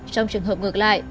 trong trường hợp ngược lại